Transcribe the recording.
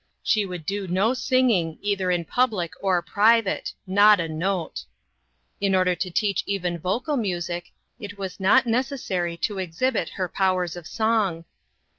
She would do no singing, either in public or private; not a note. In order to teach even vocal music, it was not necessary to exhibit her powers of song.